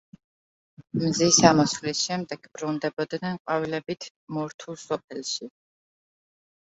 მზის ამოსვლის შემდეგ ბრუნდებოდნენ ყვავილებით მორთულ სოფელში.